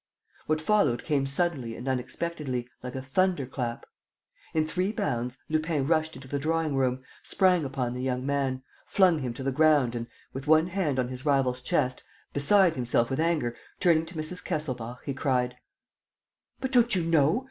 What followed came suddenly and unexpectedly, like a thunder clap. In three bounds, Lupin rushed into the drawing room, sprang upon the young man, flung him to the ground and, with one hand on his rival's chest, beside himself with anger, turning to Mrs. Kesselbach, he cried: "But don't you know?